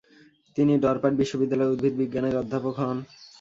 তিনি ডরপাট বিশ্ববিদ্যালয়ের উদ্ভিদ বিজ্ঞানের অধ্যাপক হন।